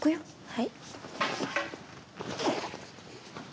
はい。